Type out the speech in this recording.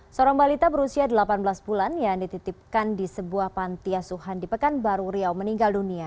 seorang balita berusia delapan belas bulan yang dititipkan di sebuah panti asuhan di pekanbaru riau meninggal dunia